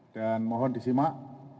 dan mohon disimak